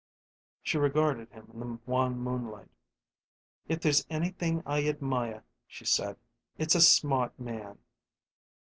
She regarded him in the wan moonlight. "If there's anything I admire," she said, "it's a smart man."